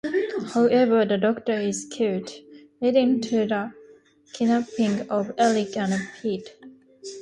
However, the doctor is killed, leading to the kidnapping of Eric and Pete.